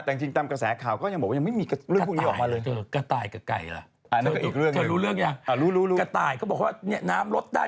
แต่จริงตามกระแสข่าวก็ยังบอกว่ายังไม่มีเรื่องพวกนี้ออกมาเลย